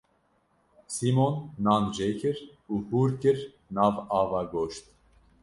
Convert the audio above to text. Sîmon nan jêkir û hûr kir nav ava goşt.